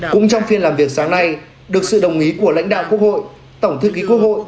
cũng trong phiên làm việc sáng nay được sự đồng ý của lãnh đạo quốc hội tổng thư ký quốc hội